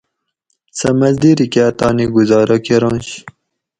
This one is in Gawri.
سہ مزدیری کاۤ تانی گزارہ کرۤنش